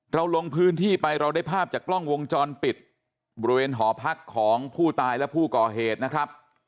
เราลงพื้นที่ไปเราได้ภาพจากกล้องวงจรปิดบริเวณหอพักของผู้ตายและผู้ก่อเหตุนะครับ